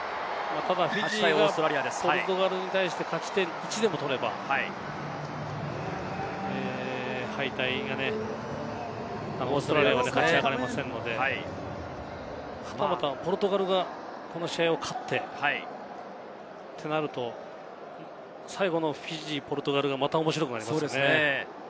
フィジーはポルトガルに対して、勝ち点１でも取ればオーストラリアは勝ち上がれませんので、ポルトガルがこの試合を勝ってってなると、最後のフィジー、ポルトガルがまた面白くなりそうですね。